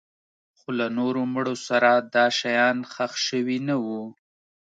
خو له نورو مړو سره دا ډول شیان ښخ شوي نه وو